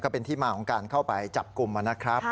เป็นที่มาของการเข้าไปจับกลุ่มนะครับ